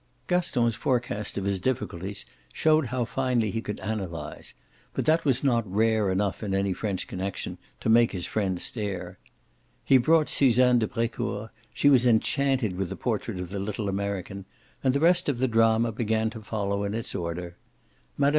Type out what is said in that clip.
Gaston's forecast of his difficulties showed how finely he could analyse; but that was not rare enough in any French connexion to make his friend stare. He brought Suzanne de Brecourt, she was enchanted with the portrait of the little American, and the rest of the drama began to follow in its order. Mme.